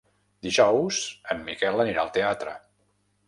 Dijous en Miquel anirà al teatre.